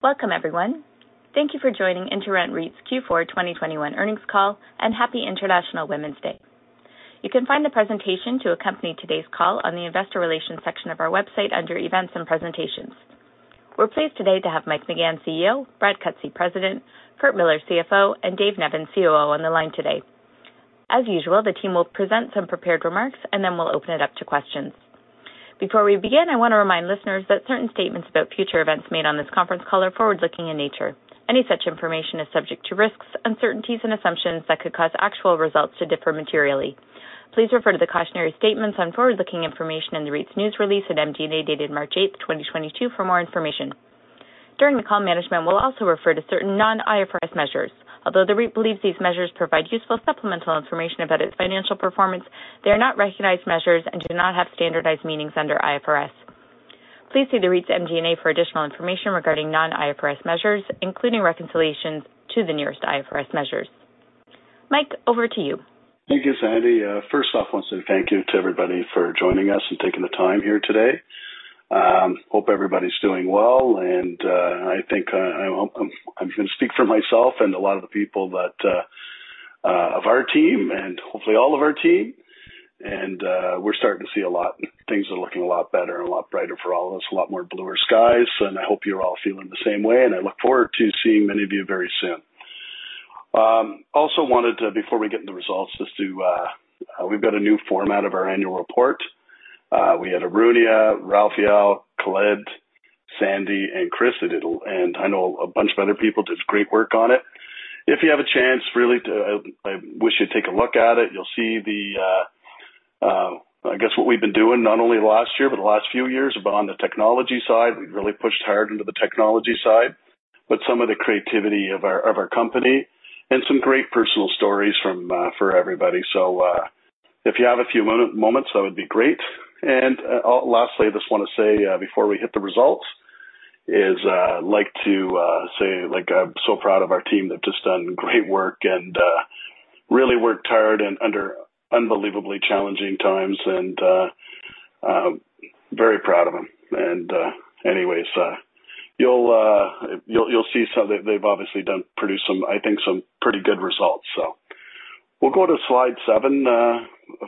Welcome, everyone. Thank you for joining InterRent REIT's Q4 2021 earnings call, and Happy International Women's Day. You can find the presentation to accompany today's call on the investor relations section of our website under events and presentations. We're pleased today to have Mike McGahan, CEO; Brad Cutsey, President; Curt Millar, CFO; and Dave Nevins, COO, on the line today. As usual, the team will present some prepared remarks, and then we'll open it up to questions. Before we begin, I wanna remind listeners that certain statements about future events made on this conference call are forward-looking in nature. Any such information is subject to risks, uncertainties and assumptions that could cause actual results to differ materially. Please refer to the cautionary statements on forward-looking information in the REIT's news release and MD&A dated March 8th, 2022 for more information. During the call, management will also refer to certain non-IFRS measures. Although the REIT believes these measures provide useful supplemental information about its financial performance, they are not recognized measures and do not have standardized meanings under IFRS. Please see the REIT's MD&A for additional information regarding non-IFRS measures, including reconciliations to the nearest IFRS measures. Mike, over to you. Thank you, Sandy. First off, wanna say thank you to everybody for joining us and taking the time here today. Hope everybody's doing well, and I think I'm gonna speak for myself and a lot of the people that of our team and hopefully all of our team, and we're starting to see a lot. Things are looking a lot better and a lot brighter for all of us, a lot more bluer skies, and I hope you're all feeling the same way, and I look forward to seeing many of you very soon. Also wanted to, before we get into results, just to, we've got a new format of our annual report. We had Arunia, Ralph Yow, Khaled, Sandy and Chris that did and I know a bunch of other people did great work on it. If you have a chance really, I wish you'd take a look at it. You'll see the, I guess, what we've been doing not only last year but the last few years on the technology side. We've really pushed hard into the technology side, but some of the creativity of our company and some great personal stories for everybody. If you have a few moments, that would be great. Lastly, I just wanna say before we hit the results, I'd like to say, like I'm so proud of our team. They've just done great work and really worked hard and under unbelievably challenging times and very proud of them. Anyways, you'll see some. They've obviously produced some, I think some pretty good results. We'll go to slide seven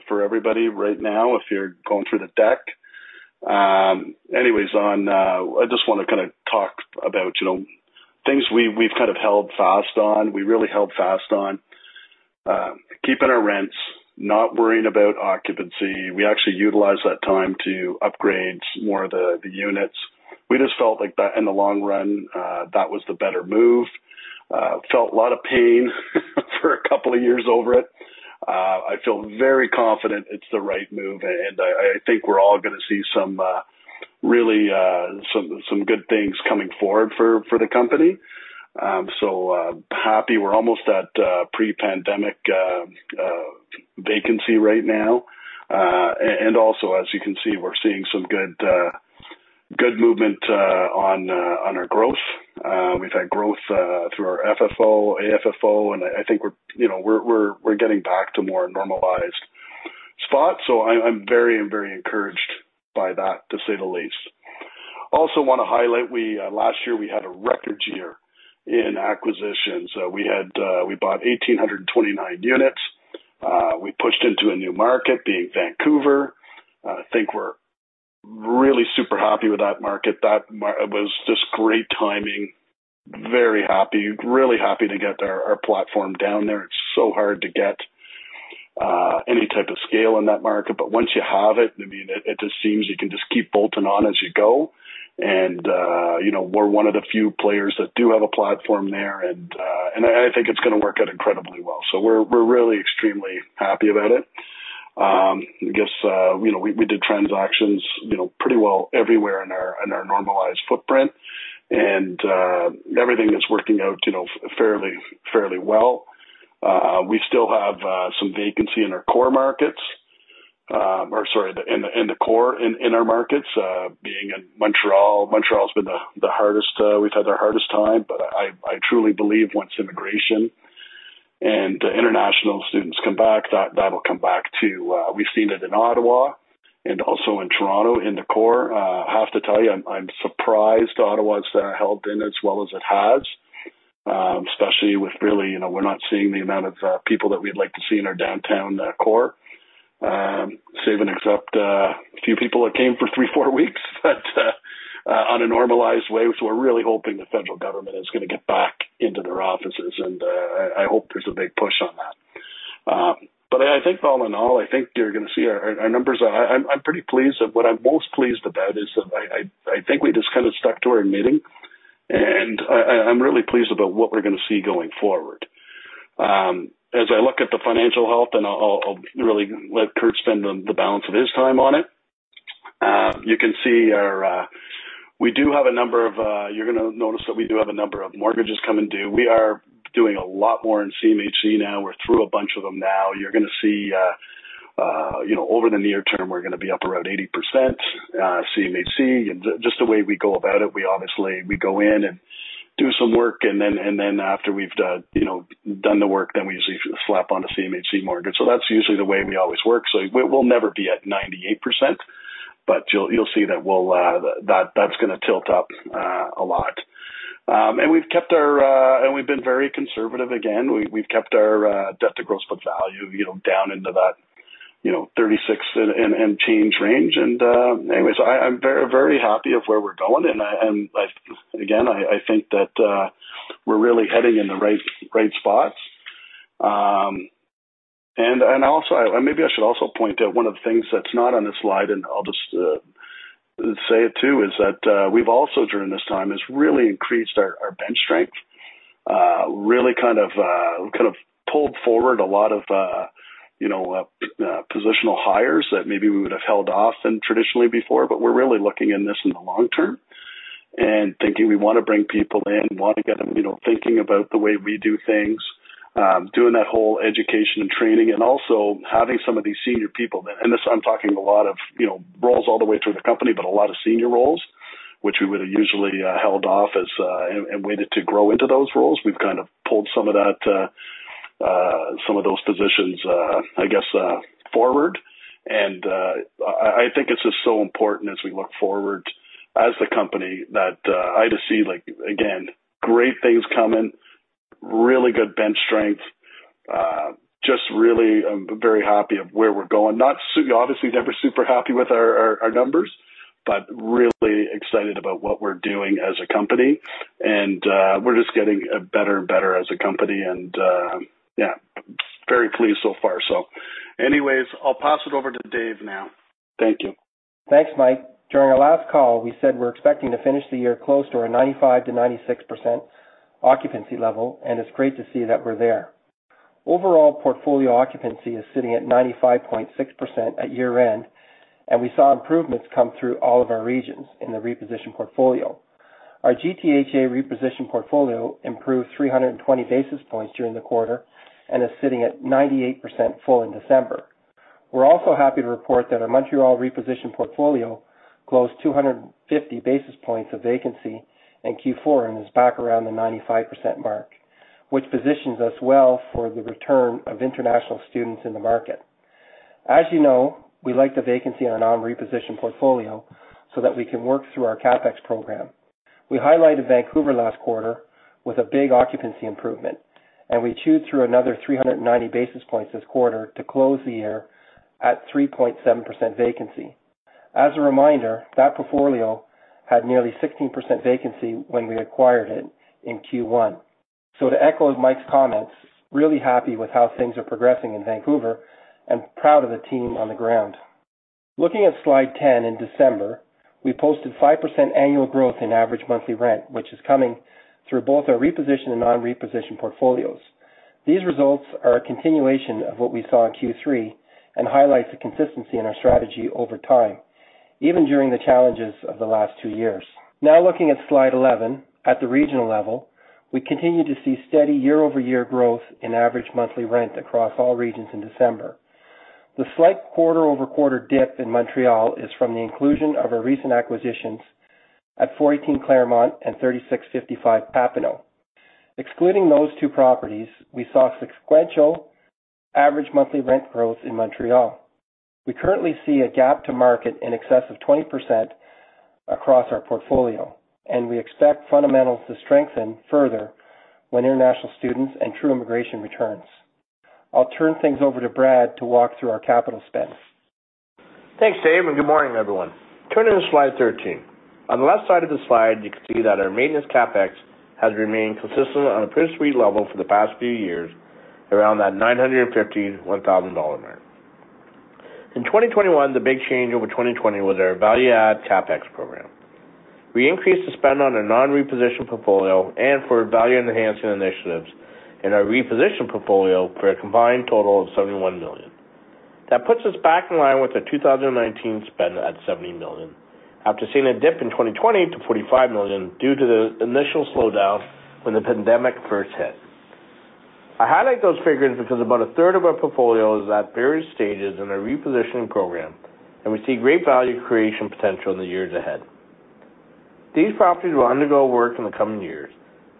for everybody right now if you're going through the deck. I just wanna kinda talk about, you know, things we've kind of held fast on. We really held fast on keeping our rents, not worrying about occupancy. We actually utilized that time to upgrade more of the units. We just felt like that in the long run that was the better move. Felt a lot of pain for a couple of years over it. I feel very confident it's the right move, and I think we're all gonna see some really good things coming forward for the company. Happy we're almost at pre-pandemic vacancy right now. Also, as you can see, we're seeing some good movement on our growth. We've had growth through our FFO, AFFO, and I think we're, you know, getting back to a more normalized spot, so I'm very encouraged by that to say the least. Also wanna highlight, last year we had a record year in acquisitions. We bought 1,829 units. We pushed into a new market, being Vancouver. I think we're really super happy with that market. That market was just great timing. Very happy, really happy to get our platform down there. It's so hard to get any type of scale in that market. Once you have it, I mean, it just seems you can just keep bolting on as you go. You know, we're one of the few players that do have a platform there, and I think it's gonna work out incredibly well. We're really extremely happy about it. I guess, you know, we did transactions pretty well everywhere in our normalized footprint, and everything is working out fairly well. We still have some vacancy in our core markets, or sorry, in our markets, being in Montreal. Montreal's been the hardest. We've had our hardest time, but I truly believe once immigration and international students come back, that'll come back too. We've seen it in Ottawa and also in Toronto in the core. I have to tell you, I'm surprised Ottawa's held up as well as it has, especially with really, you know, we're not seeing the amount of people that we'd like to see in our downtown core, save and except a few people that came for three to four weeks. On a normalized basis, we're really hoping the Federal government is gonna get back into their offices, and I hope there's a big push on that. I think all in all, I think you're gonna see our numbers. I'm pretty pleased and what I'm most pleased about is that I think we just kind of stuck to our knitting, and I'm really pleased about what we're gonna see going forward. As I look at the financial health, and I'll really let Curt spend the balance of his time on it, you can see our. We do have a number of, you're gonna notice that we do have a number of mortgages coming due. We are doing a lot more in CMHC now. We're through a bunch of them now. You're gonna see, you know, over the near term, we're gonna be up around 80% CMHC. Just the way we go about it, we obviously go in and do some work, and then after we've done, you know, done the work, then we usually slap on the CMHC mortgage. That's usually the way we always work. We'll never be at 98%, but you'll see that we'll, that's gonna tilt up a lot. We've kept our debt to gross book value, you know, down into that, you know, 36 and change range. Anyways, I'm very, very happy with where we're going. I think that we're really heading in the right spots. Maybe I should also point out one of the things that's not on this slide, and I'll just say it too, is that we've also during this time has really increased our bench strength, really kind of pulled forward a lot of you know positional hires that maybe we would have held off than traditionally before. We're really looking in this in the long term and thinking we wanna bring people in, wanna get them you know thinking about the way we do things, doing that whole education and training, and also having some of these senior people. This, I'm filling a lot of, you know, roles all the way through the company, but a lot of senior roles, which we would have usually held off on and waited to grow into those roles. We've kind of pulled some of that, some of those positions, I guess, forward. I think it's just so important as we look forward as the company that I just see like, again, great things coming, really good bench strength. Just really very happy with where we're going. Obviously, never super happy with our numbers, but really excited about what we're doing as a company. We're just getting better and better as a company, and yeah, very pleased so far. Anyways, I'll pass it over to Dave now. Thank you. Thanks, Mike. During our last call, we said we're expecting to finish the year close to a 95%-96% occupancy level, and it's great to see that we're there. Overall, portfolio occupancy is sitting at 95.6% at year-end, and we saw improvements come through all of our regions in the repositioned portfolio. Our GTHA repositioned portfolio improved 320 basis points during the quarter and is sitting at 98% full in December. We're also happy to report that our Montreal repositioned portfolio closed 250 basis points of vacancy in Q4 and is back around the 95% mark, which positions us well for the return of international students in the market. As you know, we like the vacancy on our non-repositioned portfolio so that we can work through our CapEx program. We highlighted Vancouver last quarter with a big occupancy improvement, and we chewed through another 390 basis points this quarter to close the year at 3.7% vacancy. As a reminder, that portfolio had nearly 16% vacancy when we acquired it in Q1. To echo Mike's comments, really happy with how things are progressing in Vancouver and proud of the team on the ground. Looking at slide 10, in December, we posted 5% annual growth in average monthly rent, which is coming through both our repositioned and non-repositioned portfolios. These results are a continuation of what we saw in Q3 and highlights the consistency in our strategy over time, even during the challenges of the last two years. Now looking at slide 11, at the regional level, we continue to see steady year-over-year growth in average monthly rent across all regions in December. The slight quarter-over-quarter dip in Montreal is from the inclusion of our recent acquisitions at 14 Claremont and 3655 Papineau. Excluding those two properties, we saw sequential average monthly rent growth in Montreal. We currently see a gap to market in excess of 20% across our portfolio, and we expect fundamentals to strengthen further when international students and true immigration returns. I'll turn things over to Brad to walk through our capital spend. Thanks, Dave, and good morning, everyone. Turning to slide 13. On the left side of the slide, you can see that our maintenance CapEx has remained consistent on a per suite level for the past few years, around that 950-1,000 dollar mark. In 2021, the big change over 2020 was our value-add CapEx program. We increased the spend on a non-reposition portfolio and for value-enhancing initiatives in our reposition portfolio for a combined total of 71 million. That puts us back in line with the 2019 spend at 70 million after seeing a dip in 2020 to 45 million due to the initial slowdown when the pandemic first hit. I highlight those figures because about a third of our portfolio is at various stages in our repositioning program, and we see great value creation potential in the years ahead. These properties will undergo work in the coming years,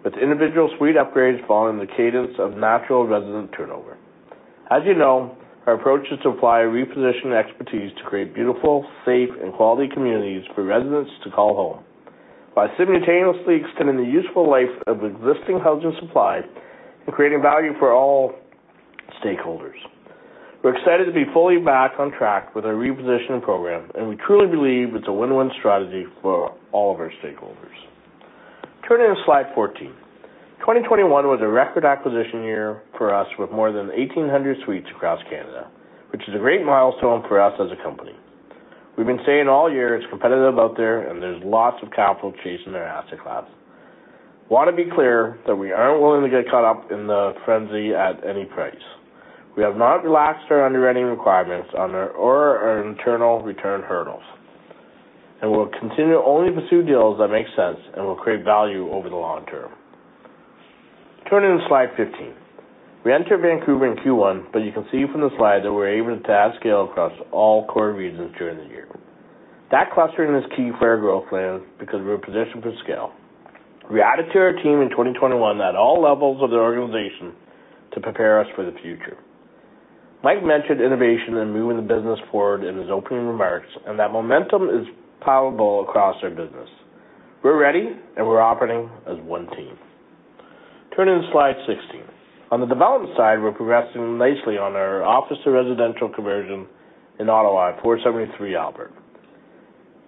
with individual suite upgrades following the cadence of natural resident turnover. As you know, our approach is to apply reposition expertise to create beautiful, safe and quality communities for residents to call home while simultaneously extending the useful life of existing housing supply and creating value for all stakeholders. We're excited to be fully back on track with our reposition program, and we truly believe it's a win-win strategy for all of our stakeholders. Turning to slide 14. 2021 was a record acquisition year for us with more than 1,800 suites across Canada, which is a great milestone for us as a company. We've been saying all year it's competitive out there, and there's lots of capital chasing the asset class. We want to be clear that we aren't willing to get caught up in the frenzy at any price. We have not relaxed our underwriting requirements or our internal return hurdles, and we'll continue to only pursue deals that make sense and will create value over the long term. Turning to slide 15. We entered Vancouver in Q1, but you can see from the slide that we're able to add scale across all core regions during the year. That clustering is key for our growth plan because we're positioned for scale. We added to our team in 2021 at all levels of the organization to prepare us for the future. Mike mentioned innovation and moving the business forward in his opening remarks, and that momentum is palpable across our business. We're ready, and we're operating as one team. Turning to slide 16. On the development side, we're progressing nicely on our office to residential conversion in Ottawa at 473 Albert.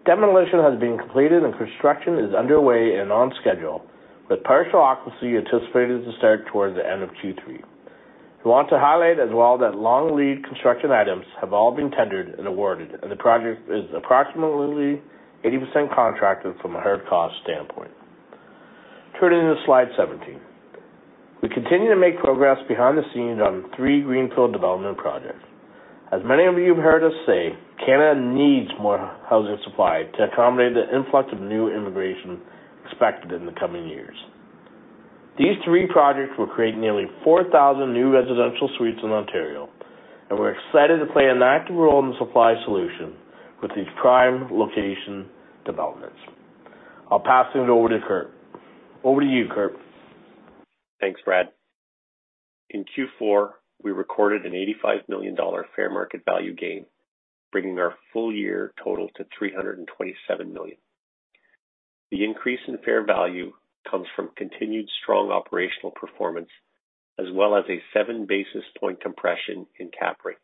Demolition has been completed and construction is underway and on schedule, with partial occupancy anticipated to start towards the end of Q3. We want to highlight as well that long-lead construction items have all been tendered and awarded, and the project is approximately 80% contracted from a hard cost standpoint. Turning to slide 17. We continue to make progress behind the scenes on three greenfield development projects. As many of you have heard us say, Canada needs more housing supply to accommodate the influx of new immigration expected in the coming years. These three projects will create nearly 4,000 new residential suites in Ontario, and we're excited to play an active role in the supply solution with these prime location developments. I'll pass it over to Curt. Over to you, Curt. Thanks, Brad. In Q4, we recorded a 85 million dollar fair-market value gain, bringing our full year total to 327 million. The increase in fair value comes from continued strong operational performance as well as a 7 basis point compression in cap rate.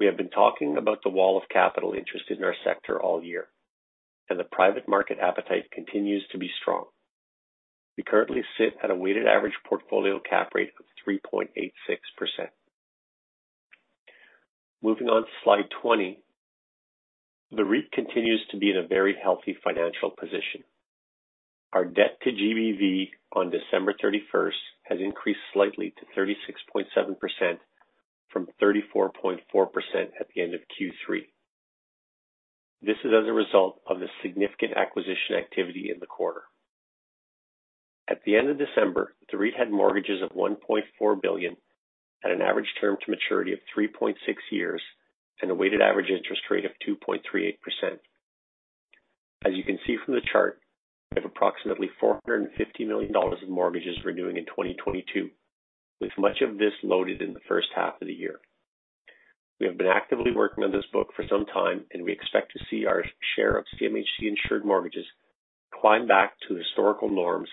We have been talking about the wall of capital interest in our sector all year, and the private market appetite continues to be strong. We currently sit at a weighted-average portfolio cap rate of 3.86%. Moving on to slide 20. The REIT continues to be in a very healthy financial position. Our debt to GBV on December 31 has increased slightly to 36.7% from 34.4% at the end of Q3. This is as a result of the significant acquisition activity in the quarter. At the end of December, the REIT had mortgages of 1.4 billion at an average term to maturity of 3.6 years and a weighted average interest rate of 2.38%. As you can see from the chart, we have approximately 450 million dollars in mortgages renewing in 2022, with much of this loaded in the first half of the year. We have been actively working on this book for some time, and we expect to see our share of CMHC insured mortgages climb back to historical norms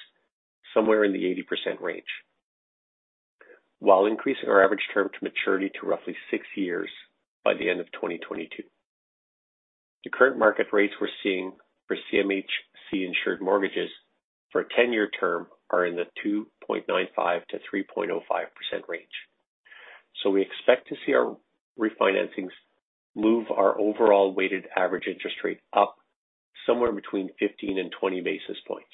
somewhere in the 80% range, while increasing our average term to maturity to roughly six years by the end of 2022. The current market rates we're seeing for CMHC insured mortgages for a 10-year term are in the 2.95%-3.05% range. We expect to see our refinancings move our overall weighted average interest rate up somewhere between 15 and 20 basis points.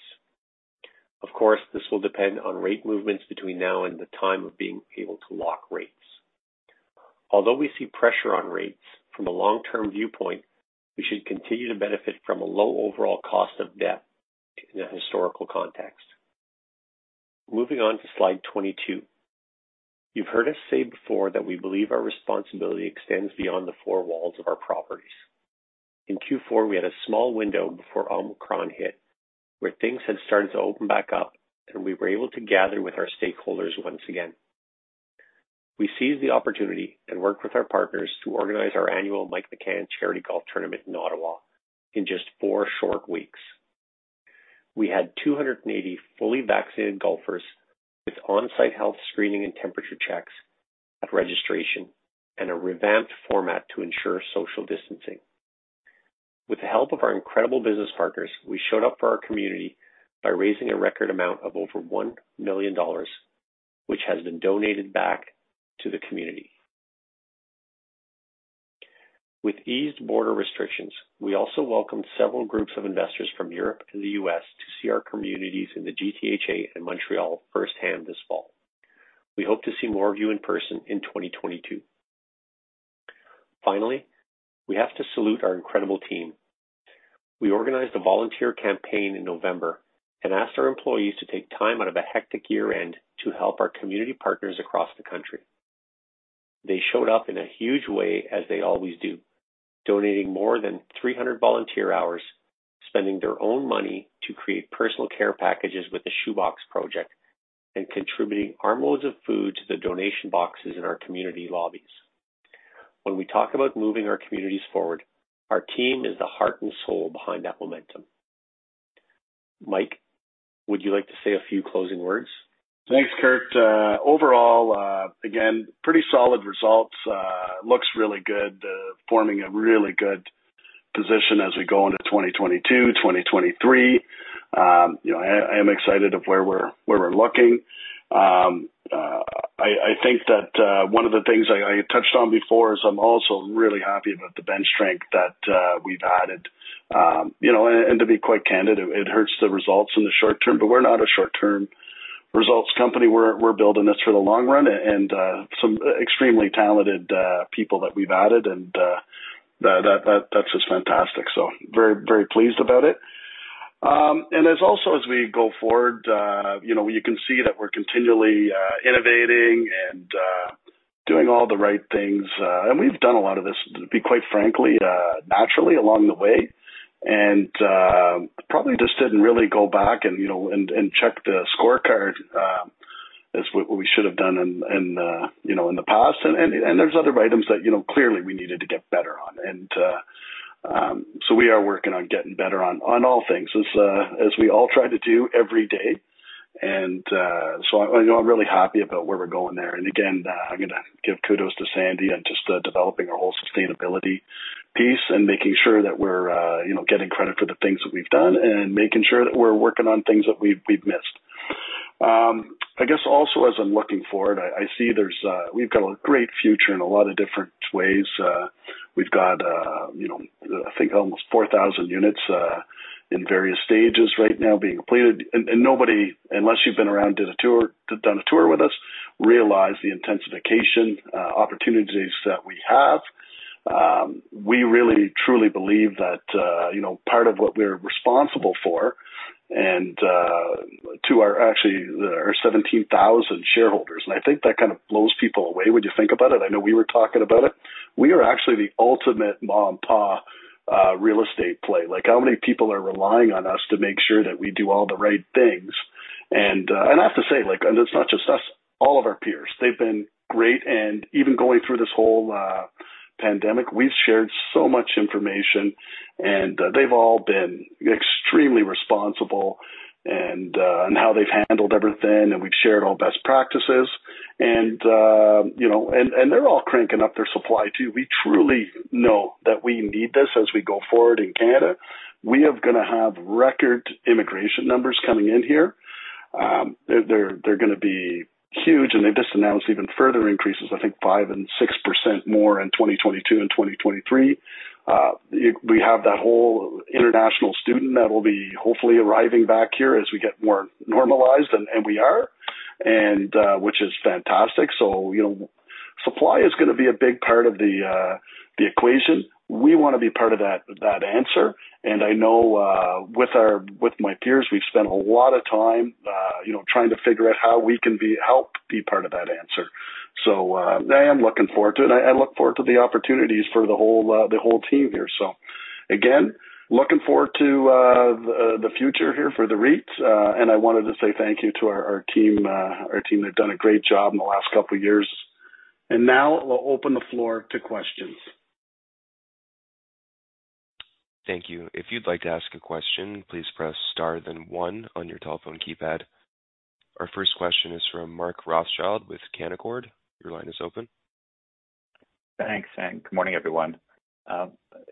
Of course, this will depend on rate movements between now and the time of being able to lock rates. Although we see pressure on rates from a long-term viewpoint, we should continue to benefit from a low overall cost of debt in a historical context. Moving on to slide 22. You've heard us say before that we believe our responsibility extends beyond the four walls of our properties. In Q4, we had a small window before Omicron hit where things had started to open back up, and we were able to gather with our stakeholders once again. We seized the opportunity and worked with our partners to organize our annual Mike McCann Charity Golf Tournament in Ottawa in just four short weeks. We had 280 fully vaccinated golfers with on-site health screening and temperature checks at registration and a revamped format to ensure social distancing. With the help of our incredible business partners, we showed up for our community by raising a record amount of over 1 million dollars, which has been donated back to the community. With eased border restrictions, we also welcomed several groups of investors from Europe and the U.S. to see our communities in the GTHA and Montreal firsthand this fall. We hope to see more of you in person in 2022. Finally, we have to salute our incredible team. We organized a volunteer campaign in November and asked our employees to take time out of a hectic year-end to help our community partners across the country. They showed up in a huge way, as they always do, donating more than 300 volunteer hours, spending their own money to create personal care packages with The Shoebox Project, and contributing armloads of food to the donation boxes in our community lobbies. When we talk about moving our communities forward, our team is the heart and soul behind that momentum. Mike, would you like to say a few closing words? Thanks, Curt. Overall, again, pretty solid results. Looks really good, forming a really good position as we go into 2022, 2023. You know, I am excited of where we're looking. I think that one of the things I touched on before is I'm also really happy about the bench strength that we've added. You know, and, to be quite candid, it hurts the results in the short term, but we're not a short-term results company. We're building this for the long run and some extremely talented people that we've added and That's just fantastic. Very, very pleased about it. There's also, as we go forward, you know, you can see that we're continually innovating and doing all the right things. We've done a lot of this, to be quite frankly, naturally along the way. Probably just didn't really go back and, you know, check the scorecard as we should have done, you know, in the past. There's other items that, you know, clearly we needed to get better on. We are working on getting better on all things as we all try to do every day. You know, I'm really happy about where we're going there. I'm gonna give kudos to Sandy on just developing our whole sustainability piece and making sure that we're you know getting credit for the things that we've done and making sure that we're working on things that we've missed. I guess also as I'm looking forward, I see there's, we've got a great future in a lot of different ways. We've got, you know, I think almost 4,000 units in various stages right now being completed. Nobody, unless you've been around, done a tour with us, realize the intensification opportunities that we have. We really truly believe that you know part of what we're responsible for and to our actually our 17,000 shareholders, and I think that kind of blows people away when you think about it. I know we were talking about it. We are actually the ultimate ma and pa real estate play. Like, how many people are relying on us to make sure that we do all the right things? I have to say, like, and it's not just us, all of our peers, they've been great. Even going through this whole pandemic, we've shared so much information, and they've all been extremely responsible and in how they've handled everything, and we've shared all best practices. You know, and they're all cranking up their supply too. We truly know that we need this as we go forward in Canada. We are gonna have record immigration numbers coming in here. They're gonna be huge, and they've just announced even further increases, I think 5% and 6% more in 2022 and 2023. We have that whole international student that will be hopefully arriving back here as we get more normalized, which is fantastic. You know, supply is gonna be a big part of the equation. We wanna be part of that answer. I know with my peers, we've spent a lot of time, you know, trying to figure out how we can be helpful part of that answer. I am looking forward to it. I look forward to the opportunities for the whole team here. Again, looking forward to the future here for the REITs. I wanted to say thank you to our team. Our team, they've done a great job in the last couple of years. Now I'll open the floor to questions. Thank you. If you'd like to ask a question, please press star then one on your telephone keypad. Our first question is from Mark Rothschild with Canaccord. Your line is open. Thanks, and good morning, everyone.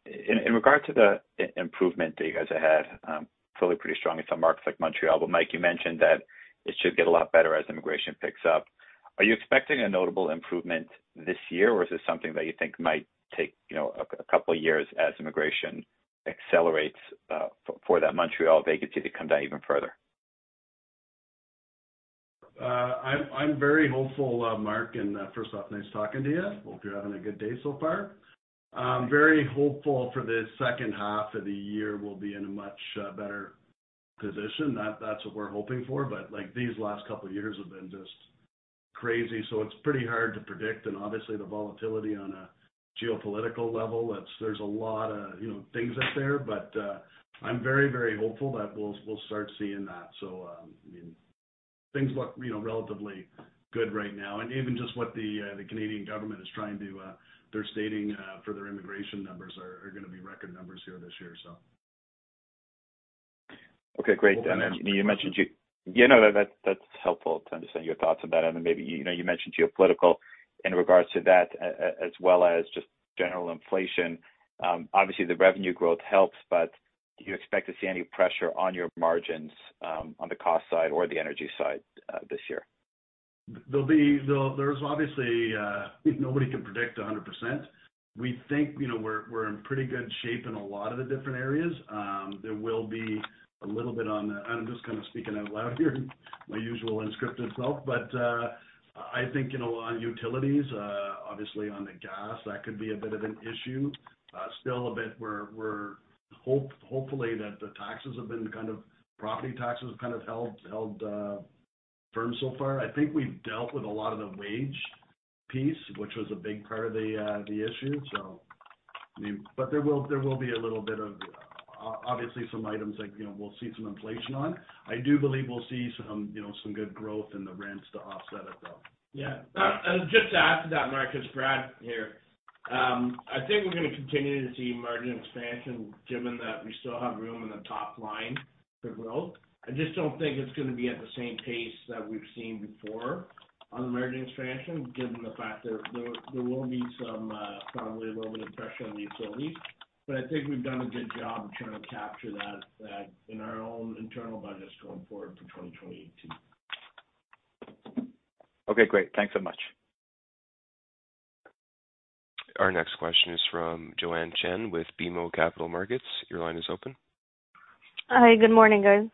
In regard to the improvement that you guys have had, clearly pretty strong in some markets like Montreal. Mike, you mentioned that it should get a lot better as immigration picks up. Are you expecting a notable improvement this year, or is this something that you think might take, you know, a couple of years as immigration accelerates, for that Montreal vacancy to come down even further? I'm very hopeful, Mark. First off, nice talking to you. Hope you're having a good day so far. Very hopeful for the second half of the year we'll be in a much better position. That's what we're hoping for. Like, these last couple of years have been just crazy, so it's pretty hard to predict. Obviously the volatility on a geopolitical level. There's a lot of, you know, things out there. I'm very, very hopeful that we'll start seeing that. I mean, things look, you know, relatively good right now. Even just what the Canadian government is trying to, they're stating for their immigration numbers are gonna be record numbers here this year, so. Okay, great. Then you mentioned. Yeah, no, that's helpful to understand your thoughts on that. Then maybe, you know, you mentioned geopolitical in regards to that as well as just general inflation. Obviously the revenue growth helps, but do you expect to see any pressure on your margins, on the cost side or the energy side, this year? There's obviously nobody can predict 100%. We think, you know, we're in pretty good shape in a lot of the different areas. There will be a little bit. I'm just kind of speaking out loud here, my usual unscripted self. I think, you know, on utilities, obviously on the gas, that could be a bit of an issue. Still a bit we're hopefully that the taxes have been kind of property taxes kind of held firm so far. I think we've dealt with a lot of the wage piece, which was a big part of the issue. There will be a little bit of obviously some items like, you know, we'll see some inflation on. I do believe we'll see some, you know, some good growth in the rents to offset it though. Yeah. Just to add to that, Mark, it's Brad here. I think we're gonna continue to see margin expansion given that we still have room in the top line for growth. I just don't think it's gonna be at the same pace that we've seen before on margin expansion, given the fact that there will be some probably a little bit of pressure on the utilities. I think we've done a good job trying to capture that in our own internal budgets going forward for 2022. Okay, great. Thanks so much. Our next question is from Joanne Chen with BMO Capital Markets. Your line is open. Hi. Good morning, guys.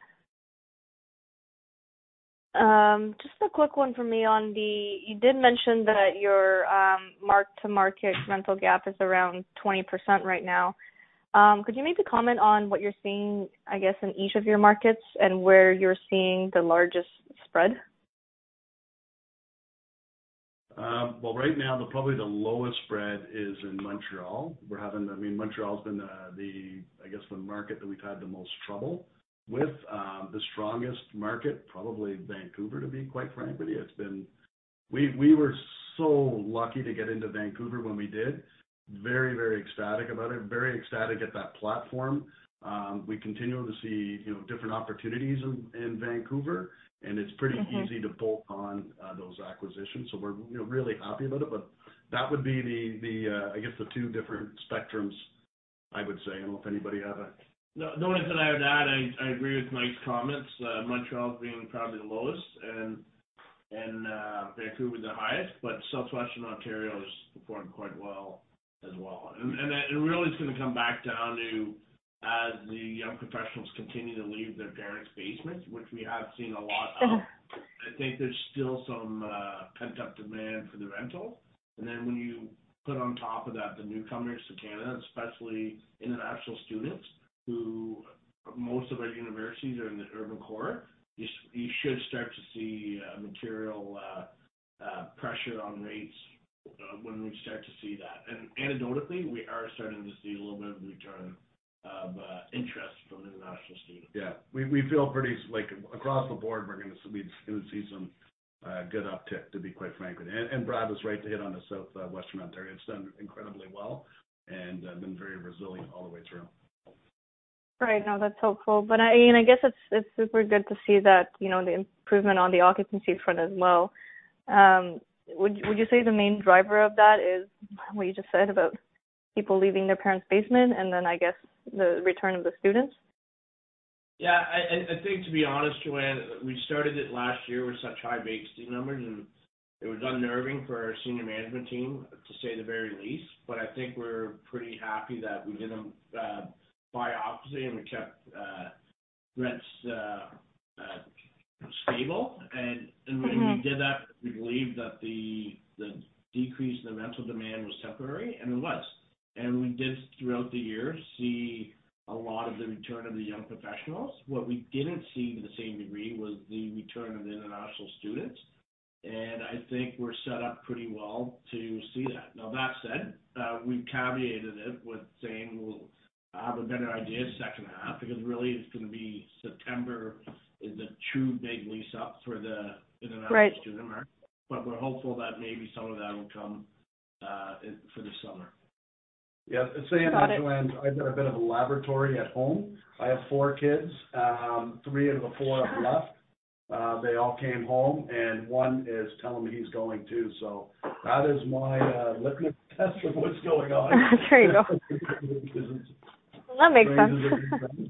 Just a quick one for me. You did mention that your mark-to-market rental gap is around 20% right now. Could you maybe comment on what you're seeing, I guess, in each of your markets and where you're seeing the largest spread? Well, right now, the lowest spread is in Montreal. I mean, Montreal has been the market that we've had the most trouble with. The strongest market, probably Vancouver, to be quite frankly. We were so lucky to get into Vancouver when we did. Very, very ecstatic about it, very ecstatic at that platform. We continue to see, you know, different opportunities in Vancouver, and it's pretty- Mm-hmm Easy to bolt on those acquisitions. We're, you know, really happy about it. That would be the, I guess, the two different spectrums, I would say. I don't know if anybody have a- No, nothing to add to that. I agree with Mike's comments. Montreal is being probably the lowest and Vancouver the highest. Southwestern Ontario is performing quite well as well. It really is gonna come back down to as the young professionals continue to leave their parents' basement, which we have seen a lot of. I think there's still some pent-up demand for the rental. When you put on top of that, the newcomers to Canada, especially international students, who most of our universities are in the urban core, you should start to see material pressure on rates when we start to see that. Anecdotally, we are starting to see a little bit of return of interest from international students. Yeah. We feel pretty like, across the board, we're gonna see some good uptick, to be quite frankly. Brad was right to hit on the Southwestern Ontario. It's done incredibly well and been very resilient all the way through. Right. No, that's helpful. I—you know, I guess it's super good to see that, you know, the improvement on the occupancy front as well. Would you say the main driver of that is what you just said about people leaving their parents' basement and then, I guess, the return of the students? Yeah. I think to be honest, Joanne, we started it last year with such high vacancy numbers, and it was unnerving for our senior management team, to say the very least. I think we're pretty happy that we did bite the bullet and we kept rents stable. Mm-hmm. When we did that, we believe that the decrease in the rental demand was temporary, and it was. We did throughout the year see a lot of the return of the young professionals. What we didn't see to the same degree was the return of international students. I think we're set up pretty well to see that. Now, that said, we've caveated it with saying we'll have a better idea second half, because really it's gonna be September is the true big lease up for the international- Right. students. We're hopeful that maybe some of that will come in for the summer. Yeah. To say, Joanne. Got it. I've got a bit of a laboratory at home. I have four kids, three of the four have left. They all came home and one is telling me he's going too. That is my litmus test of what's going on. There you go. Because- Well, that makes sense.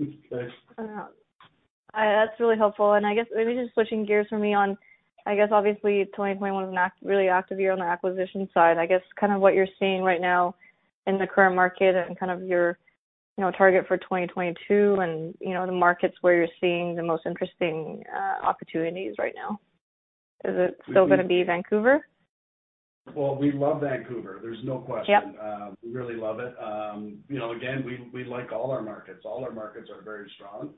Okay. All right. That's really helpful. I guess maybe just switching gears for me on, I guess, obviously, 2021 was a really active year on the acquisition side. I guess kind of what you're seeing right now in the current market and kind of your, you know, target for 2022 and, you know, the markets where you're seeing the most interesting opportunities right now. Is it still gonna be Vancouver? Well, we love Vancouver. There's no question. Yep. We really love it. You know, again, we like all our markets. All our markets are very strong.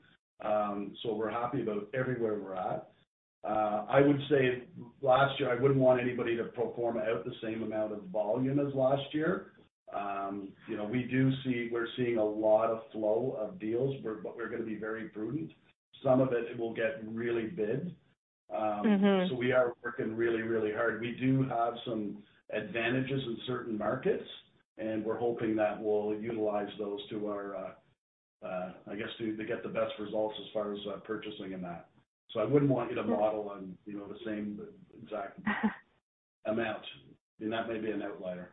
We're happy about everywhere we're at. I would say last year, I wouldn't want anybody to perform out the same amount of volume as last year. You know, we're seeing a lot of flow of deals, but we're gonna be very prudent. Some of it will get really bid. Mm-hmm. We are working really, really hard. We do have some advantages in certain markets, and we're hoping that we'll utilize those to our, I guess to get the best results as far as purchasing in that. I wouldn't want you to model on, you know, the same exact amount, and that may be an outlier.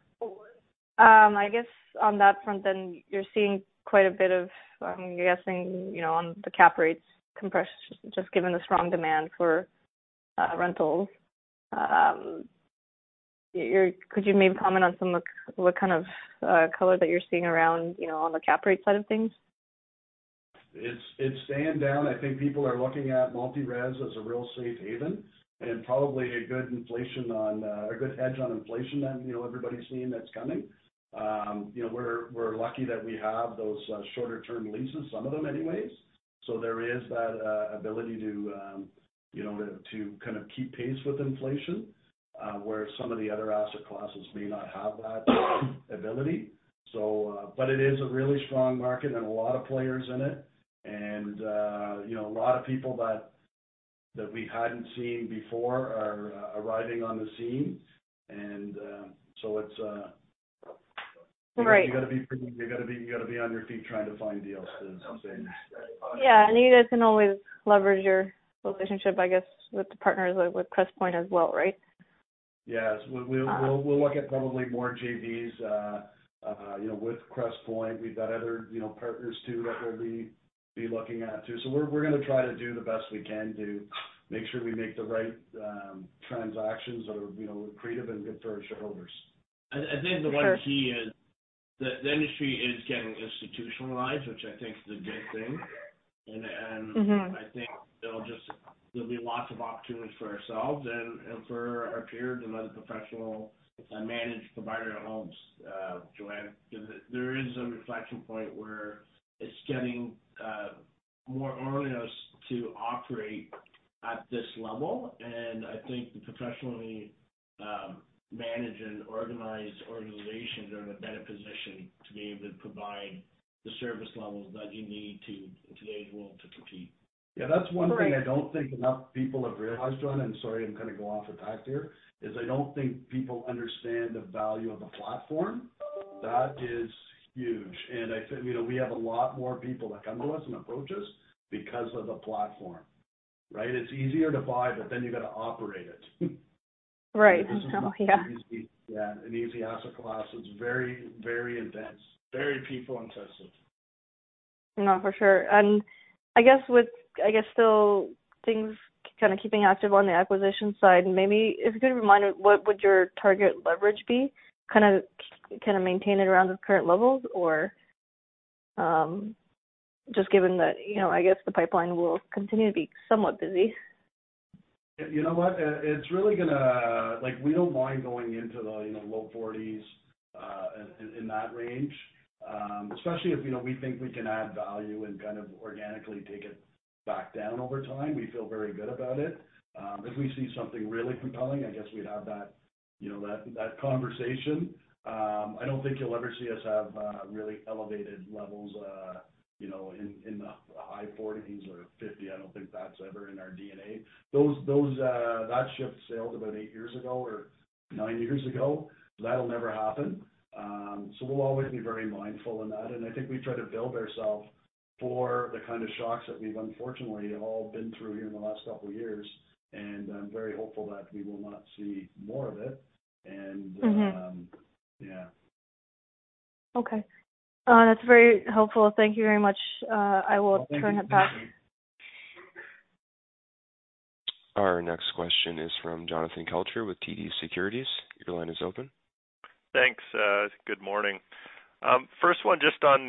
I guess on that front, you're seeing quite a bit of, I'm guessing, you know, on the cap rates compress just given the strong demand for rentals. Could you maybe comment on some of the, what kind of, color that you're seeing around, you know, on the cap rate side of things? It's staying down. I think people are looking at multi-res as a real safe haven and probably a good hedge on inflation that, you know, everybody's seeing that's coming. You know, we're lucky that we have those shorter term leases, some of them anyways. There is that ability to, you know, to kind of keep pace with inflation, where some of the other asset classes may not have that ability. It is a really strong market and a lot of players in it. You know, a lot of people that we hadn't seen before are arriving on the scene. It's Right. You gotta be on your feet trying to find deals, as I'm saying. Yeah. You guys can always leverage your relationship, I guess, with the partners with Crestpoint as well, right? Yes. We'll look at probably more JVs, you know, with Crestpoint. We've got other, you know, partners too that, we'll be looking at too. We're gonna try to do the best we can to make sure we make the right transactions that are, you know, accretive and good for our shareholders. I think the one key is, the industry is getting institutionalized, which I think is a good thing. Mm-hmm I think there'll be lots of opportunities for ourselves and for our peers and other professional managed provider homes, Joanne. There is a reflection point where it's getting more onerous to operate at this level. I think the professionally managed and organized organizations are in a better position to be able to provide the service levels that you need in today's world to compete. Great. Yeah. That's one thing I don't think enough people have realized, Joanne, and sorry, I'm gonna go off track here, is I don't think people understand the value of a platform. That is huge. You know, we have a lot more people that come to us and approach us because of the platform, right? It's easier to buy, but then you gotta operate it. Right. Oh, yeah. This is not an easy asset class. It's very, very intense, very people intensive. No, for sure. I guess still things kind of keeping active on the acquisition side, maybe as a good reminder, what would your target leverage be? Kinda can it maintain it around the current levels? Or, just given that, you know, I guess the pipeline will continue to be somewhat busy. You know what? Like, we don't mind going into the, you know, low 40s in that range. Especially if, you know, we think we can add value and kind of organically take it back down over time. We feel very good about it. If we see something really compelling, I guess we'd have that, you know, that conversation. I don't think you'll ever see us have really elevated levels, you know, in the high 40s or 50. I don't think that's ever in our DNA. That ship sailed about eight years ago or nine years ago. That'll never happen. So we'll always be very mindful in that. I think we try to build ourself for the kind of shocks that we've unfortunately all been through here in the last couple years, and I'm very hopeful that we will not see more of it. Mm-hmm Yeah. Okay. That's very helpful. Thank you very much. I will turn it back. Oh, thank you. Our next question is from Jonathan Kelcher with TD Securities. Your line is open. Thanks. Good morning. First one, just on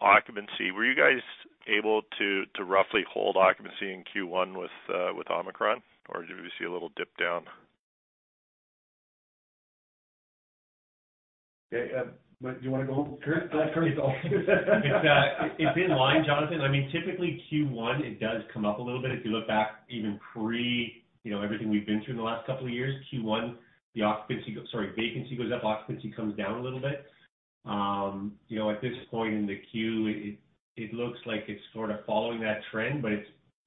occupancy. Were you guys able to roughly hold occupancy in Q1 with Omicron, or did you see a little dip down? Okay. Do you wanna go? Curt? Go ahead, Curt. It's all yours. It's in line, Jonathan. I mean, typically Q1, it does come up a little bit. If you look back even pre, you know, everything we've been through in the last couple of years, Q1, vacancy goes up, occupancy comes down a little bit. You know, at this point in the Q, it looks like it's sort of following that trend, but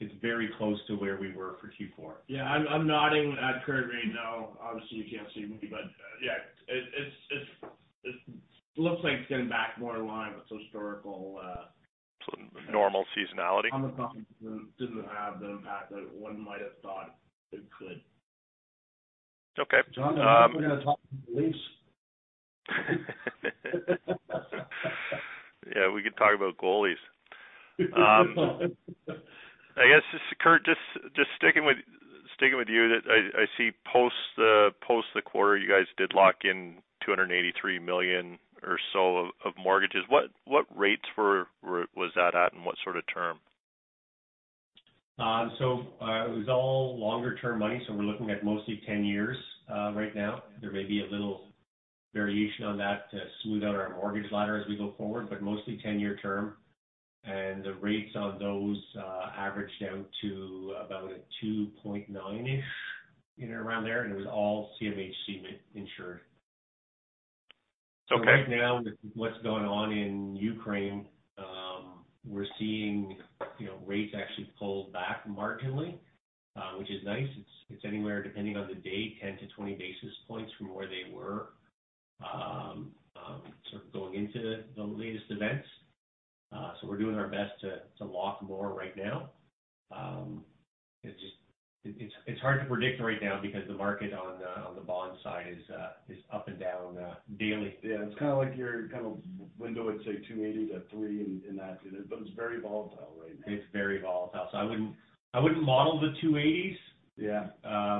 it's very close to where we were for Q4. Yeah. I'm nodding at Curt right now. Obviously, you can't see me, but yeah. It looks like it's getting back more in line with historical. Normal seasonality. Omicron didn't have the impact that one might have thought it could. Okay. Jonathan, do you want to talk about the Leafs? Yeah, we could talk about goalies. I guess, Curt, just sticking with you. I see that post the quarter, you guys did lock in 283 million or so of mortgages. What rates was that at, and what sort of term? It was all longer-term money, so we're looking at mostly 10 years right now. There may be a little variation on that to smooth out our mortgage ladder as we go forward, but mostly 10-year term. The rates on those average down to about a 2.9%-ish, you know, around there. It was all CMHC insured. Okay. Right now with what's going on in Ukraine, we're seeing, you know, rates actually pull back marginally, which is nice. It's anywhere, depending on the day, 10-20 basis points from where they were, sort of going into the latest events. So we're doing our best to lock more right now. It's hard to predict right now because the market on the bond side is up and down daily. Yeah. It's kinda like your kind of window would say 2.80%-3% in that, you know, but it's very volatile right now. It's very volatile. I wouldn't model the 2.80%s. Yeah.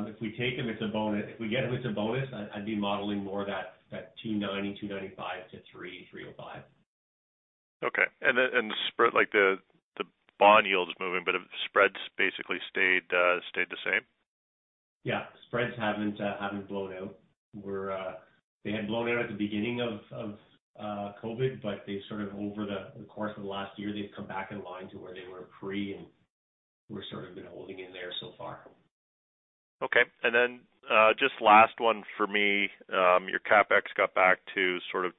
If we take them, it's a bonus. If we get them, it's a bonus. I'd be modeling more that 2.90%, 2.95%-3.05%. Okay. The spread like the bond yield is moving, but have spreads basically stayed the same? Yeah. Spreads haven't blown out. They had blown out at the beginning of COVID, but they sort of over the course of the last year, they've come back in line to where they were pre-COVID, and we're sort of been holding in there so far. Okay. Just last one for me. Your CapEx got back to sort of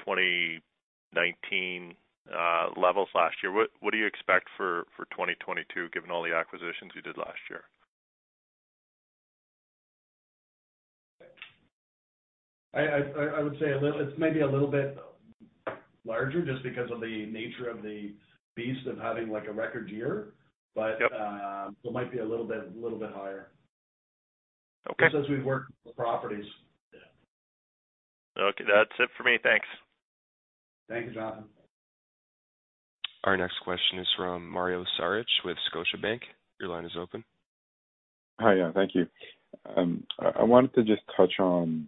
2019 levels last year. What do you expect for 2022, given all the acquisitions you did last year? I would say a little, it's maybe a little bit larger just because of the nature of the beast of having like a record year. Yep. It might be a little bit higher. Okay. Just as we work the properties. Yeah. Okay. That's it for me. Thanks. Thank you, Jonathan. Our next question is from Mario Saric with Scotiabank. Your line is open. Hi. Yeah, thank you. I wanted to just touch on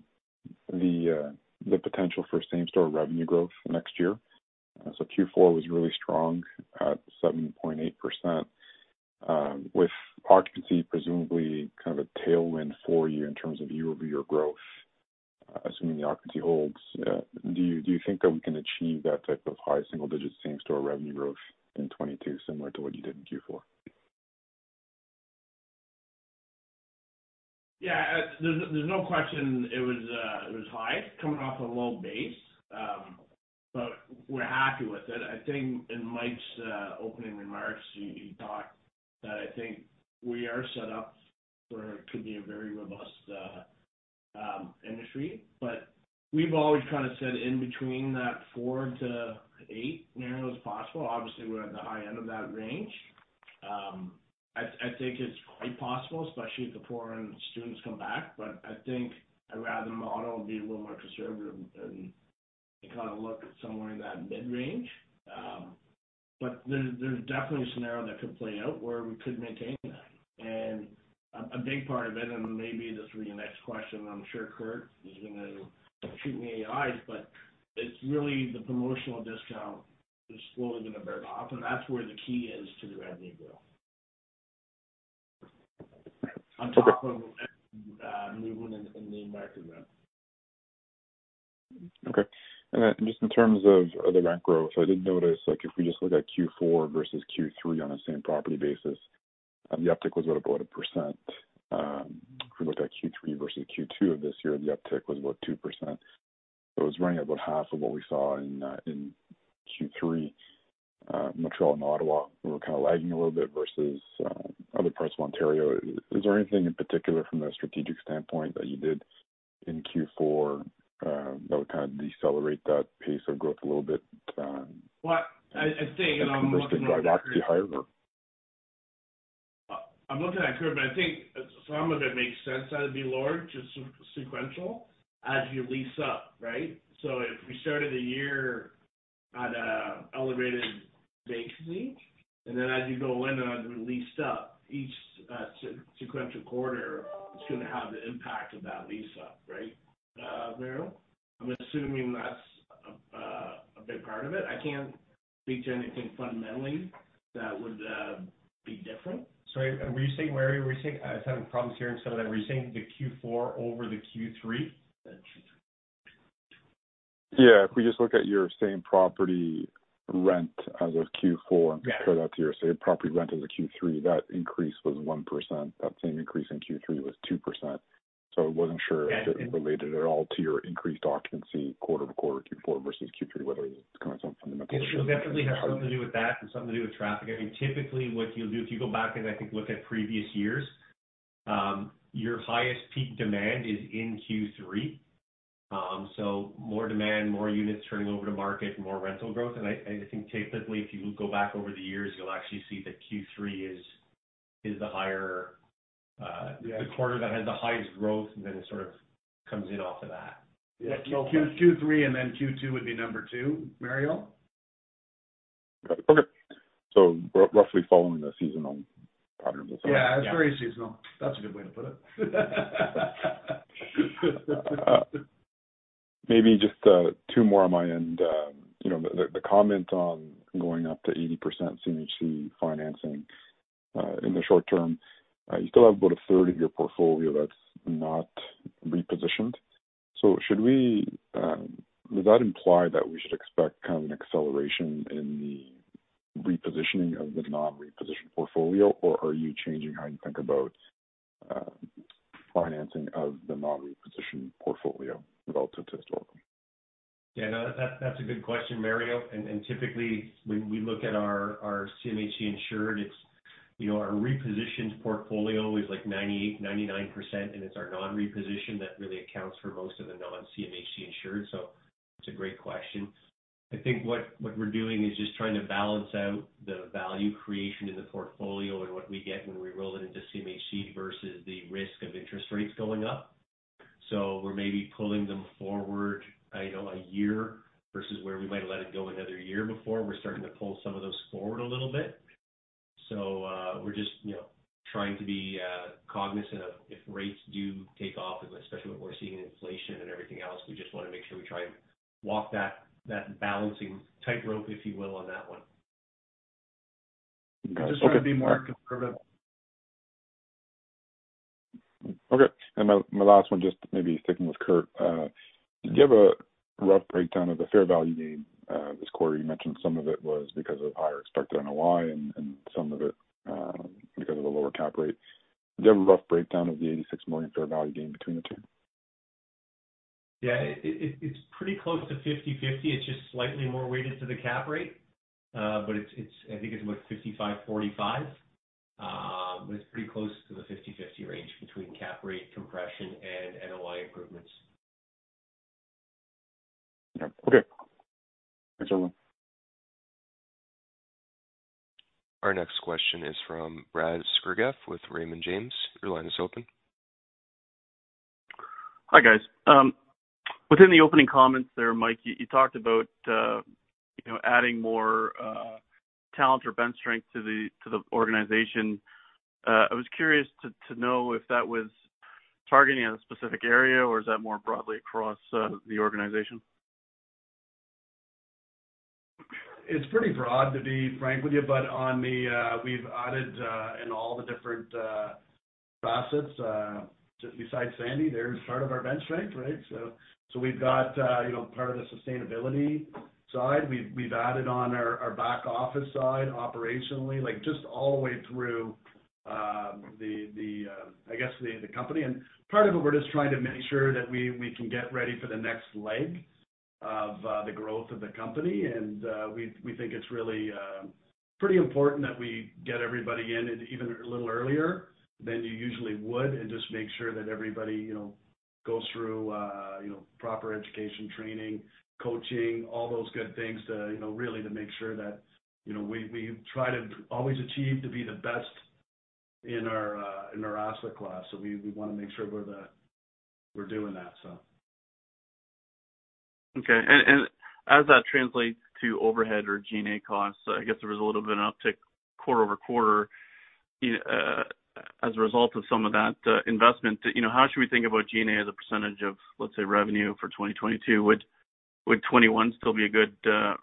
the potential for same-store revenue growth next year. Q4 was really strong at 7.8%. With occupancy presumably kind of a tailwind for you in terms of year-over-year growth, assuming the occupancy holds, do you think that we can achieve that type of high-single-digit same-store revenue growth in 2022 similar to what you did in Q4? Yeah. There's no question it was high coming off a low base. We're happy with it. I think in Mike's opening remarks, he thought that I think we are set up for what could be a very robust industry. We've always kind of said in between that 4%-8%, as near as possible. Obviously, we're at the high end of that range. I think it's quite possible, especially if the foreign students come back. I think I'd rather the model be a little more conservative and kind of look somewhere in that mid-range. There's definitely a scenario that could play out where we could maintain that. A big part of it, and maybe this will be your next question. I'm sure Curt is gonna shoot me, but it's really the promotional discount is slowly gonna burn off, and that's where the key is to the revenue growth. Okay. On top of movement in the market rent. Okay. Just in terms of the rent growth, I did notice, like if we just look at Q4 versus Q3 on a same-property basis, the uptick was at about 1%. If we looked at Q3 versus Q2 of this year, the uptick was about 2%. It was running about half of what we saw in Q3. Montreal and Ottawa were kind of lagging a little bit versus other parts of Ontario. Is there anything in particular from a strategic standpoint that you did in Q4 that would kind of decelerate that pace of growth a little bit? Well, I think, and I'm looking at Curt versus go back to higher? I'm looking at Curt, but I think some of it makes sense that it'd be lower just sequential as you lease up, right? If we started the year at an elevated vacancy, and then as you go in on the leased up, each sequential quarter is gonna have the impact of that lease up, right, Mario? I'm assuming that's a big part of it. I can't speak to anything fundamentally that would be different. Sorry. Were you saying, Mario? Were you saying I was having problems hearing some of that? Were you saying the Q4 over the Q3? Yeah. If we just look at your same-store rent as of Q4 and compare that to your same-store rent as of Q3, that increase was 1%. That same increase in Q3 was 2%. I wasn't sure- Yeah. If it related at all to your increased occupancy quarter to quarter, Q4 versus Q3, whether it was kind of some fundamental shift? It will definitely have something to do with that and something to do with traffic. I mean, typically what you'll do if you go back and I think look at previous years, your highest peak demand is in Q3. More demand, more units turning over to market, more rental growth. I think typically, if you go back over the years, you'll actually see that Q3 is the higher. Yeah. In the quarter that has the highest growth, and then it sort of comes in off of that. Yeah. Q3 and then Q2 would be number two, Mario. Got it. Okay. Roughly following the seasonal pattern, that's all. Yeah. It's very seasonal. That's a good way to put it. Maybe just two more on my end. You know, the comment on going up to 80% CMHC financing in the short term, you still have about a third of your portfolio that's not repositioned. Would that imply that we should expect kind of an acceleration in the repositioning of the non-reposition portfolio, or are you changing how you think about financing of the non-reposition portfolio relative to historical? Yeah. No, that's a good question, Mario. Typically when we look at our CMHC insured, it's, you know, our repositioned portfolio is like 98%-99%, and it's our non-reposition that really accounts for most of the non-CMHC insured. It's a great question. I think what we're doing is just trying to balance out the value creation in the portfolio and what we get when we roll it into CMHC versus the risk of interest rates going up. We're maybe pulling them forward, I know, a year versus where we might have let it go another year before. We're starting to pull some of those forward a little bit. We're just, you know, trying to be cognizant of if rates do take off, especially what we're seeing in inflation and everything else. We just wanna make sure we try and walk that balancing tightrope, if you will, on that one. Okay. Just trying to be more conservative. Okay. My last one, just maybe sticking with Curt. Do you have a rough breakdown of the fair value gain this quarter? You mentioned some of it was because of higher expected NOI and some of it because of the lower cap rate. Do you have a rough breakdown of the 86 million fair value gain between the two? Yeah. It's pretty close to 50/50. It's just slightly more weighted to the cap rate. I think it's about 55/45. It's pretty close to the 50/50 range between cap rate compression and NOI improvements. Okay. Thanks, everyone. Our next question is from Brad Sturges with Raymond James. Your line is open. Hi, guys. Within the opening comments there, Mike, you talked about you know, adding more talent or bench strength to the organization. I was curious to know if that was targeting a specific area or is that more broadly across the organization? It's pretty broad, to be frank with you. But on the, we've added in all the different process, just besides Sandy, they're part of our bench strength, right? So we've got, you know, part of the sustainability side. We've added on our back office side operationally, like just all the way through, I guess the company. Part of it, we're just trying to make sure that we can get ready for the next leg of the growth of the company. We think it's really pretty important that we get everybody in even a little earlier than you usually would and just make sure that everybody, you know, goes through you know proper education, training, coaching, all those good things to, you know, really to make sure that, you know, we try to always achieve to be the best in our asset class. We wanna make sure we're doing that. Okay. As that translates to overhead or G&A costs, I guess there was a little bit of an uptick quarter-over-quarter, as a result of some of that investment. You know, how should we think about G&A as a percentage of, let's say, revenue for 2022? Would 2021 still be a good kind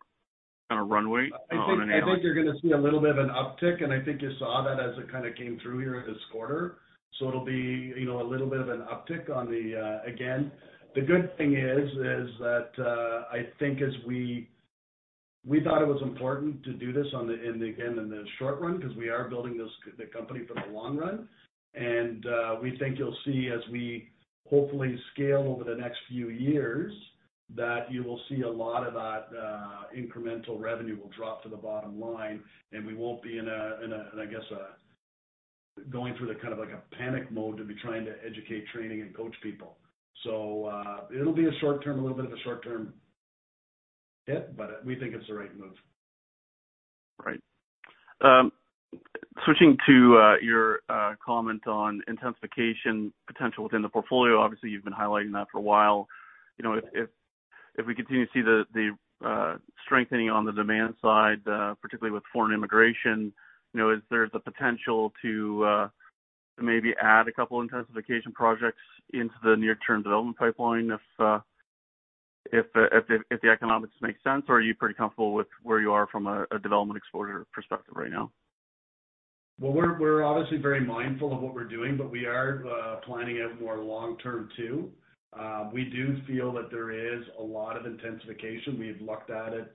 of runway on an annual- I think you're gonna see a little bit of an uptick, and I think you saw that as it kinda came through here this quarter. It'll be, you know, a little bit of an uptick on the again. The good thing is that I think as we thought it was important to do this in the short run because we are building the company for the long run. We think you'll see as we hopefully scale over the next few years, that you will see a lot of that incremental revenue will drop to the bottom line, and we won't be in a, I guess, going through the kind of like a panic mode to be trying to educate, training, and coach people. It'll be a short term, a little bit of a short-term hit, but we think it's the right move. Right. Switching to your comment on intensification potential within the portfolio. Obviously, you've been highlighting that for a while. You know, if we continue to see the strengthening on the demand side, particularly with foreign immigration, you know, is there the potential to maybe add a couple intensification projects into the near-term development pipeline if the economics make sense? Or are you pretty comfortable with where you are from a development exposure perspective right now? Well, we're obviously very mindful of what we're doing, but we are planning out more long term too. We do feel that there is a lot of intensification. We've looked at it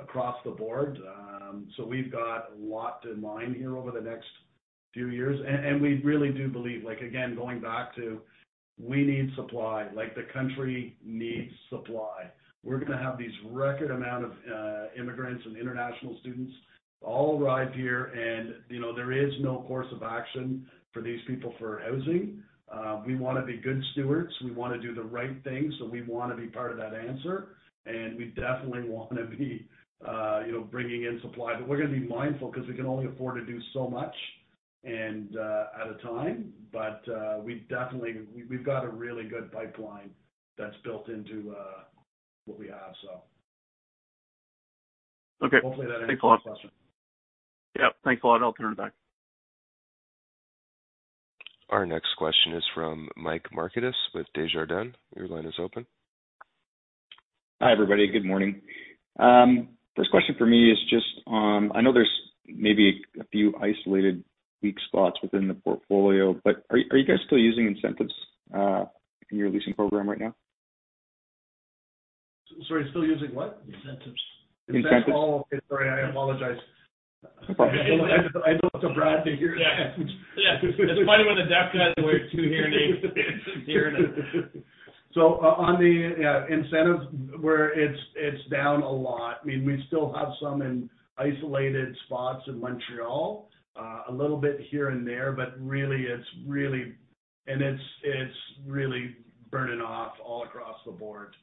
across the board. We've got a lot in mind here over the next few years. We really do believe, like, again, going back to, we need supply. Like, the country needs supply. We're gonna have these record amount of immigrants and international students all arrive here and, you know, there is no recourse for these people for housing. We wanna be good stewards. We wanna do the right thing, so we wanna be part of that answer. We definitely wanna be, you know, bringing in supply. We're gonna be mindful because we can only afford to do so much and at a time. We definitely, we've got a really good pipeline that's built into what we have, so. Okay. Hopefully that answers your question. Yeah. Thanks a lot. I'll turn it back. Our next question is from Michael Markidis with Desjardins. Your line is open. Hi, everybody. Good morning. First question for me is just on, I know there's maybe a few isolated weak spots within the portfolio, but are you guys still using incentives in your leasing program right now? Sorry, still using what? Incentives. Incentives. Oh, okay. Sorry, I apologize. I look forward to hearing that. Yeah. It's funny when the deaf guy wears two hearing aids. On the incentives, yeah, it's down a lot. I mean, we still have some in isolated spots in Montreal, a little bit here and there, but really it's burning off all across the board.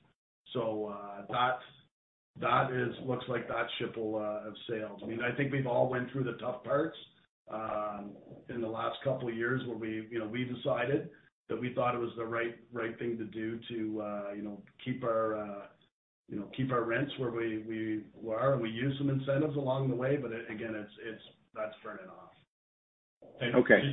That looks like that ship will have sailed. I mean, I think we've all went through the tough parts in the last couple of years where we, you know, we decided that we thought it was the right thing to do to you know keep our rents where we were, and we used some incentives along the way. Again, it's turning off. Okay.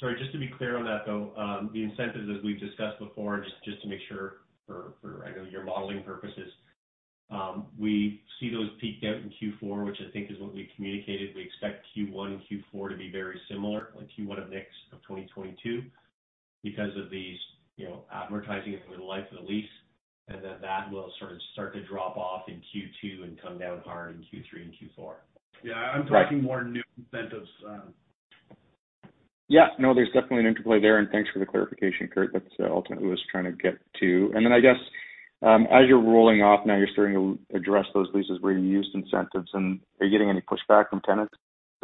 Sorry, just to be clear on that, though, the incentives, as we've discussed before, just to make sure for I know your modeling purposes, we see those peak out in Q4, which I think is what we communicated. We expect Q1 and Q4 to be very similar, like Q1 of next year 2022 because of these, you know, advertising and the life of the lease. Then that will sort of start to drop off in Q2 and come down hard in Q3 and Q4. Yeah. I'm talking more new incentives. Yeah. No, there's definitely an interplay there, and thanks for the clarification, Curt. That's ultimately I was trying to get to. Then I guess, as you're rolling off, now you're starting to address those leases where you used incentives and are you getting any pushback from tenants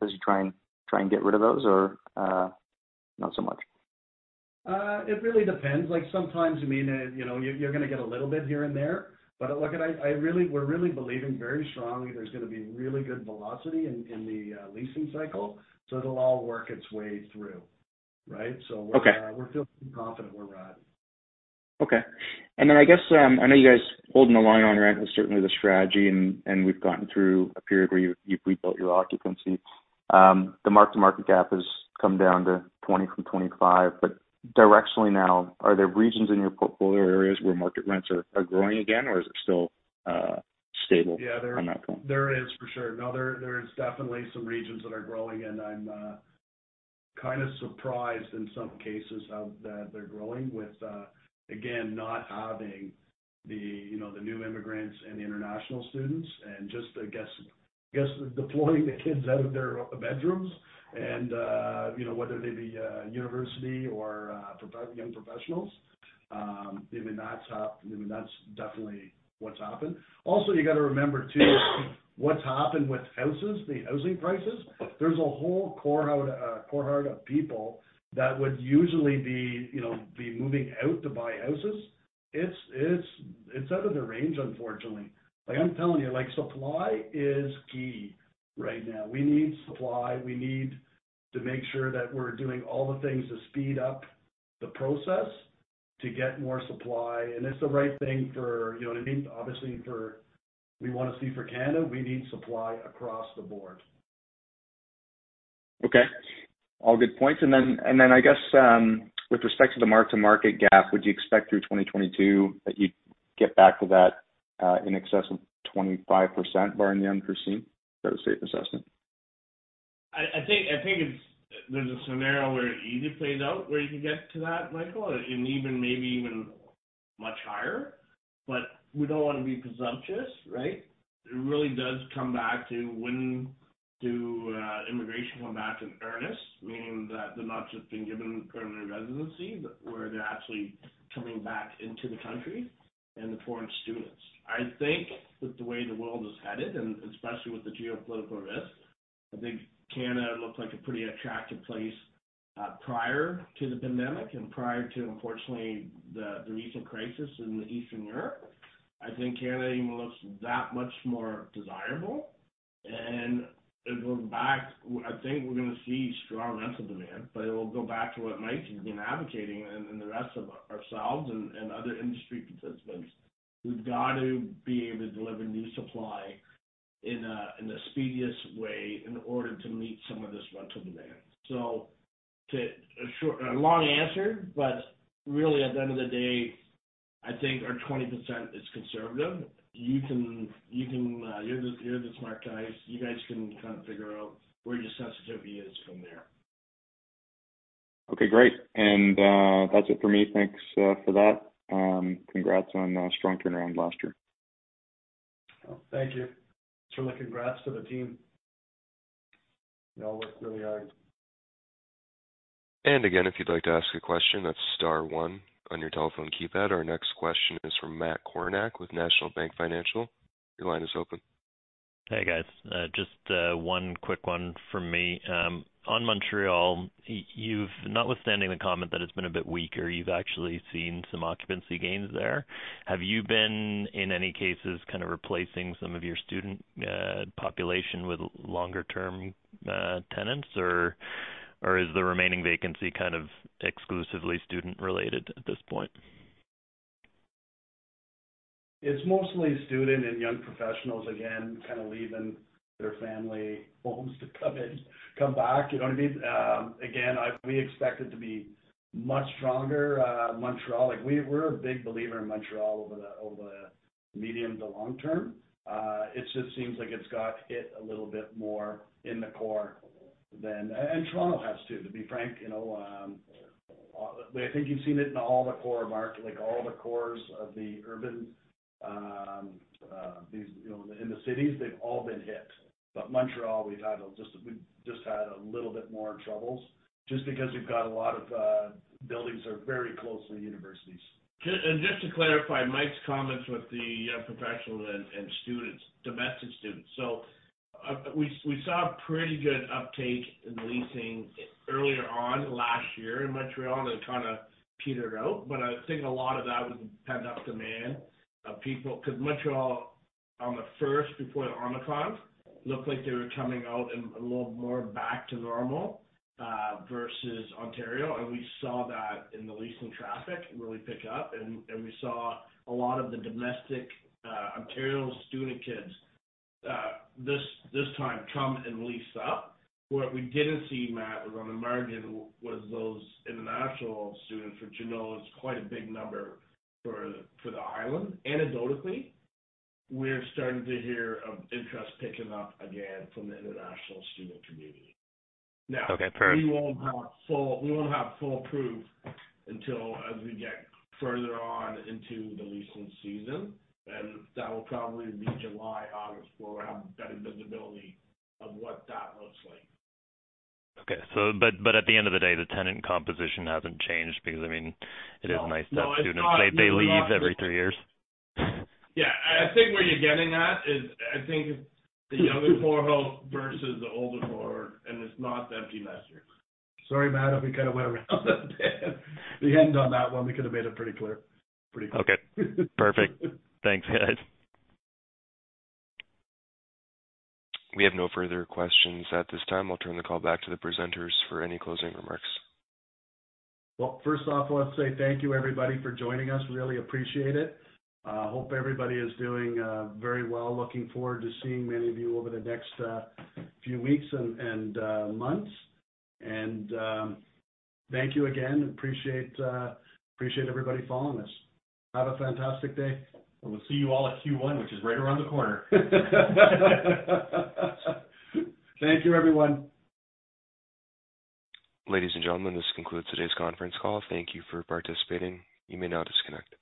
as you try and get rid of those or not so much? It really depends. Like sometimes, I mean, you know, you're gonna get a little bit here and there. Look, we're really believing very strongly there's gonna be really good velocity in the leasing cycle, so it'll all work its way through, right? Okay. We're feeling confident where we're at. Okay. I guess I know you guys holding the line on your end is certainly the strategy, and we've gotten through a period where you've rebuilt your occupancy. The mark-to-market gap has come down to 20 from 25. Directionally now, are there regions in your portfolio areas where market rents are growing again or is it still stable on that front? Yeah, there is for sure. No, there is definitely some regions that are growing, and I'm kind of surprised in some cases how they're growing with, again, not having the, you know, the new immigrants and the international students and just, I guess, deploying the kids out of their bedrooms and, you know, whether they be university or young professionals. I mean, that's definitely what's happened. Also, you gotta remember too, what's happened with houses, the housing prices. There's a whole cohort of people that would usually be, you know, moving out to buy houses. It's out of their range, unfortunately. Like I'm telling you, like, supply is key right now. We need supply. We need to make sure that we're doing all the things to speed up the process to get more supply. It's the right thing for, you know what I mean? Obviously, for we wanna see for Canada, we need supply across the board. Okay. All good points. I guess, with respect to the mark-to-market gap, would you expect through 2022 that you'd get back to that, in excess of 25%, barring the unforeseen, is that a safe assessment? I think there's a scenario where it either plays out where you can get to that, Michael, and even maybe much higher. We don't wanna be presumptuous, right? It really does come back to when do immigration come back in earnest, meaning that they're not just being given permanent residency, but where they're actually coming back into the country and the foreign students. I think with the way the world is headed, and especially with the geopolitical risk, I think Canada looks like a pretty attractive place, prior to the pandemic and prior to, unfortunately, the recent crisis in Eastern Europe. I think Canada even looks that much more desirable. I think we're gonna see strong rental demand, but it will go back to what Mike has been advocating and the rest of us and other industry participants. We've got to be able to deliver new supply in the speediest way in order to meet some of this rental demand. To answer. A long answer, but really at the end of the day, I think our 20% is conservative. You can. You're the smart guys. You guys can kind of figure out where your sensitivity is from there. Okay, great. That's it for me. Thanks for that. Congrats on a strong turnaround last year. Thank you. Thanks for the congrats to the team. They all worked really hard. Again, if you'd like to ask a question, that's star one on your telephone keypad. Our next question is from Matt Kornack with National Bank Financial. Your line is open. Hey, guys. Just one quick one from me. On Montreal, you've notwithstanding the comment that it's been a bit weaker, you've actually seen some occupancy gains there. Have you been, in any cases, kind of replacing some of your student population with longer-term tenants, or is the remaining vacancy kind of exclusively student-related at this point? It's mostly student and young professionals, again, kind of leaving their family homes to come and come back. You know what I mean? Again, we expect it to be much stronger, Montreal. Like, we're a big believer in Montreal over the medium-to-long term. It just seems like it's got hit a little bit more in the core than Toronto has too, to be frank, you know, but I think you've seen it in all the core market, like all the cores of the urban, these, you know, in the cities, they've all been hit. Montreal, we've just had a little bit more troubles just because we've got a lot of buildings are very close to universities. Just to clarify Mike's comments with the young professionals and students, domestic students. We saw a pretty good uptake in leasing earlier on last year in Montreal, and it kind of petered out. I think a lot of that was a pent-up demand of people, 'cause Montreal, on the first before Omicron, looked like they were coming out and a little more back to normal versus Ontario. We saw that in the leasing traffic really pick up, and we saw a lot of the domestic Ontario student kids this time come and lease up. What we didn't see, Matt, was on the margin those international students, which you know is quite a big number for the island. Anecdotally, we're starting to hear of interest picking up again from the international student community. Okay, perfect. Now, we won't have full proof until as we get further on into the leasing season, and that will probably be July, August. We'll have better visibility of what that looks like. Okay. But at the end of the day, the tenant composition hasn't changed because, I mean, it is nice to have students. They leave every three years. Yeah. I think where you're getting at is I think the younger cohort versus the older cohort, and it's not empty nesters. Sorry, Matt, if we kind of went around that. If we hadn't done that one, we could have made it pretty clear. Pretty clear. Okay. Perfect. Thanks, guys. We have no further questions at this time. I'll turn the call back to the presenters for any closing remarks. Well, first off, I want to say thank you, everybody, for joining us. Really appreciate it. Hope everybody is doing very well. Looking forward to seeing many of you over the next few weeks and months. Thank you again. Appreciate everybody following us. Have a fantastic day. We'll see you all at Q1, which is right around the corner. Thank you, everyone. Ladies and gentlemen, this concludes today's conference call. Thank you for participating. You may now disconnect.